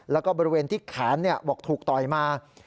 แล้วก็บริเวณที่แขนบอกถูกต่อยมา